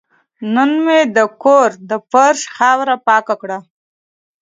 نن مې د کور د فرش خاوره پاکه کړه.